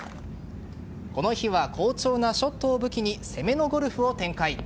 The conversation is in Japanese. この日は好調なショットを武器に攻めのゴルフを展開。